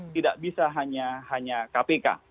tidak bisa hanya kpk